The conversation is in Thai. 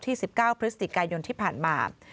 ๑๙พฤศจิกายนที่ผ่านมา